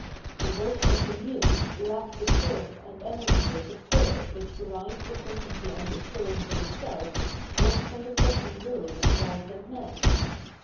The works of the muse lack the force and energy of the spirit which derived the certainty and assurance of itself just from the crushing ruin of gods and men.